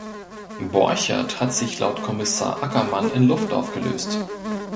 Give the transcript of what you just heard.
Borchert hat sich laut Kommissar Ackermann in Luft aufgelöst.